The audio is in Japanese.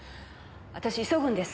私急ぐんです。